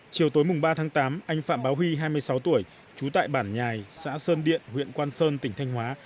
chiều tối mùng ba tháng tám anh phạm báo huy hai mươi sáu tuổi trú tại bản nhài xã sơn điện huyện quang sơn tỉnh thanh hóa